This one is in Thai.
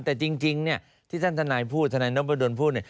แต่จริงที่ท่านทนายพูดท่านทนายนโบดนพูด